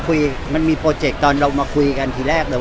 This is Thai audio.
คือพี่กุยกับผู้ใหญ่